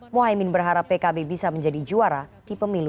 mohaimin berharap pkb bisa menjadi juara di pemilu dua ribu dua puluh empat